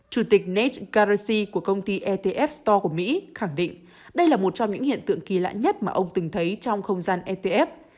chủ tịch net caressi của công ty etf store của mỹ khẳng định đây là một trong những hiện tượng kỳ lạ nhất mà ông từng thấy trong không gian etf